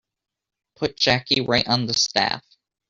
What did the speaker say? Put Jackie right on the staff.